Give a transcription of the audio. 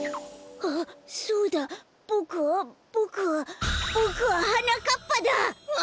あっそうだボクはボクはボクははなかっぱだ！わ。